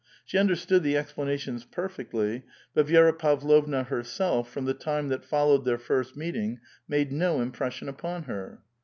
She understood the explanations perfectly, but Vi^ra Pavlovna herself, from the time that followed their first meeting, made no impression upon her.